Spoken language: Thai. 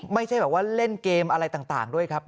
ไม่ใช่แบบว่าเล่นเกมอะไรต่างด้วยครับ